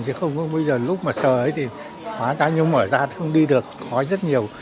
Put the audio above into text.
chứ không có bây giờ lúc mà sờ ấy thì khóa ra nhưng mở ra không đi được khói rất nhiều